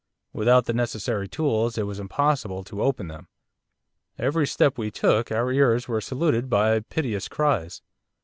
Without the necessary tools it was impossible to open them. Every step we took our ears were saluted by piteous cries.